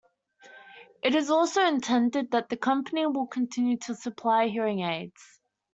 It is also intended that the company will continue to supply hearing aids.